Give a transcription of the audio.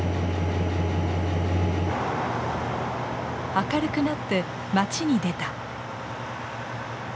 明るくなって町に出た。